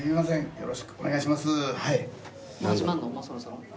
よろしくお願いします。